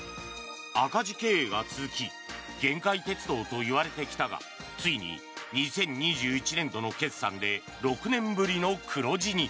赤字経営が続き限界鉄道と言われてきたがついに２０２１年度の決算で６年ぶりの黒字に。